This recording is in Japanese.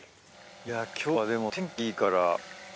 いや今日はでも天気いいから。